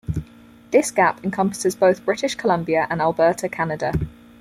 This gap encompasses both British Columbia and Alberta, Canada.